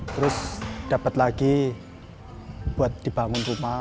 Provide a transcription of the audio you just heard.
terus dapat lagi buat dibangun rumah